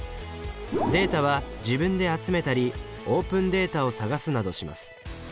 データは自分で集めたりオープンデータを探すなどします。